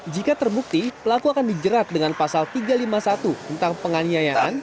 jika terbukti pelaku akan dijerat dengan pasal tiga ratus lima puluh satu tentang penganiayaan